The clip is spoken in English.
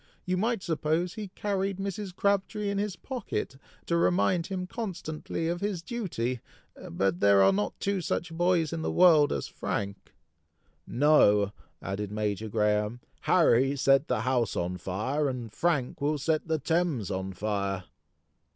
You might suppose he carried Mrs. Crabtree in his pocket, to remind him constantly of his duty; but there are not two such boys in the world as Frank!" "No," added Major Graham; "Harry set the house on fire, and Frank will set the Thames on fire!"